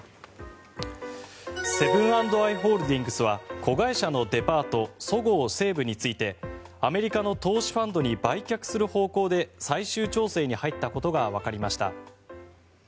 セブン＆アイ・ホールディングスは子会社のデパートそごう・西武についてアメリカの投資ファンドに売却する方向で最終調整に入ったことがわかりました。